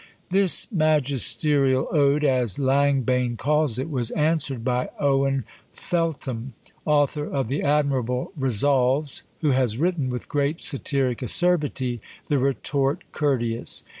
'" This Magisterial Ode, as Langbaine calls it, was answered by Owen Feltham, author of the admirable "Resolves," who has written with great satiric acerbity the retort courteous.